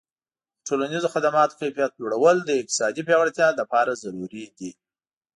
د ټولنیزو خدماتو کیفیت لوړول د اقتصادي پیاوړتیا لپاره ضروري دي.